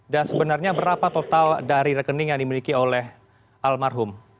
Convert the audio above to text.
dan sebenarnya berapa total dari rekening yang dimiliki oleh almarhum